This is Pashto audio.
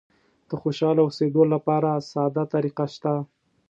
د خوشاله اوسېدلو لپاره ساده طریقه شته.